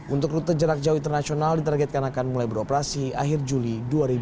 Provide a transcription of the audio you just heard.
untuk rute jarak jauh internasional ditargetkan akan mulai beroperasi akhir juli dua ribu dua puluh